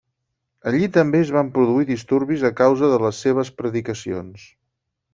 Allí també es van produir disturbis a causa de les seves predicacions.